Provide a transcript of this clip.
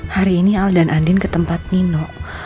hari ini al dan andin ke tempat nino